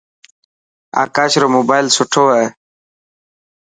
آڪاش رو موبائل سٺو هي.